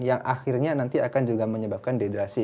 yang akhirnya nanti akan juga menyebabkan dehidrasi